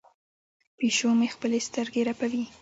پیشو مې خپلې سترګې رپوي.